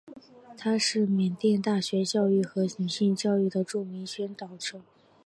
他是缅甸大学教育和女性教育的著名宣导者。